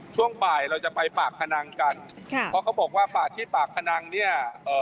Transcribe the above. ช่วงบ่ายเราจะไปปากพนังกันค่ะเพราะเขาบอกว่าปากที่ปากพนังเนี่ยเอ่อ